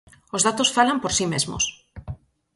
Os datos falan por si mesmos.